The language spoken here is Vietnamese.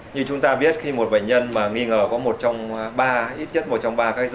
như chúng ta biết khi một bệnh nhân mà nghi ngờ có một trong ba ít nhất một trong ba các bệnh